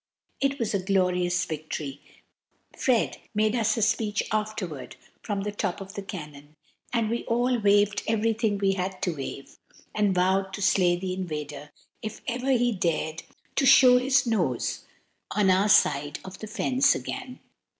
It was a glorious victory! Fred made us a speech afterward from the top of the cannon, and we all waved everything we had to wave, and vowed to slay the invader if ever he dared to show his nose on our side of the fence again.